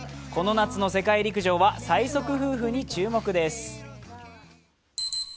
この夏の世界陸上は最速夫婦に注目です。